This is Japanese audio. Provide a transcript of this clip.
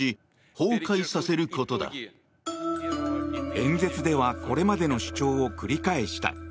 演説ではこれまでの主張を繰り返した。